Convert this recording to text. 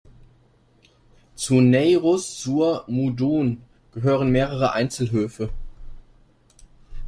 Zu Neyruz-sur-Moudon gehören mehrere Einzelhöfe.